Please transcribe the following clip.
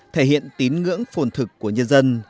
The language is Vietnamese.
thể hiện tín ngưỡng phồn thực của nhân dân